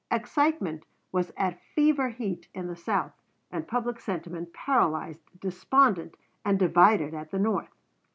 Excitement was at fever heat in the South, and public sentiment paralyzed, despondent, and divided at the North.